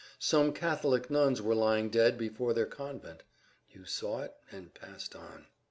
Some Catholic nuns were lying dead before their convent. You saw it and passed on.